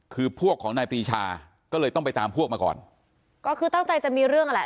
คือพวกของนายปรีชาก็เลยต้องไปตามพวกมาก่อนก็คือตั้งใจจะมีเรื่องนั่นแหละ